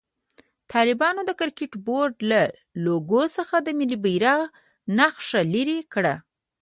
طالبانو د کرکټ بورډ له لوګو څخه د ملي بيرغ نخښه لېري کړه.